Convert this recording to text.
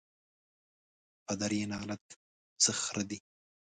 پدر یې لعنت سه څه خره دي